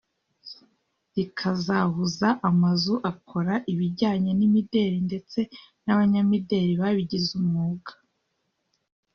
rikazahuza amazu akora ibijyanye n’imideli ndetse n’abanyamideli babigize umwuga